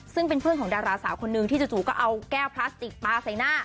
ซึ่งเป็นเพื่อนของดาราสาวคนนึงที่จู่ก็เอาแก้วพลาสติกปลาใส่หน้า